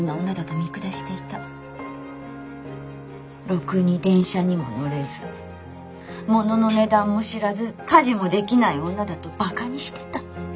ろくに電車にも乗れず物の値段も知らず家事もできない女だとバカにしてた。